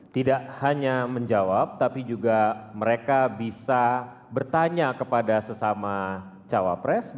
tidak hanya menjawab tapi juga mereka bisa bertanya kepada sesama cawapres